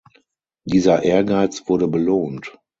Dieser Ehrgeiz wurde belohnt.